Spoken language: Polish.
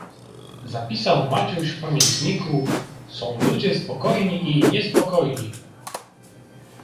"Zapisał Maciuś w pamiętniku: „Są ludzie spokojni i niespokojni“."